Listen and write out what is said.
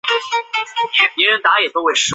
中国植物学家。